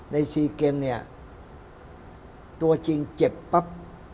ใน๔เกมเนี่ยตัวจริงเจ็บปั๊บ